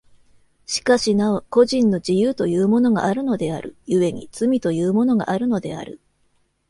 しかしなお個人の自由というものがあるのである、故に罪というものがあるのである。